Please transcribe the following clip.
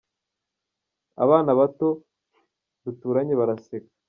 abana bato duturanye baraseka.